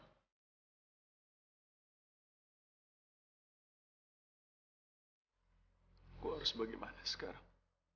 aku harus bagaimana sekarang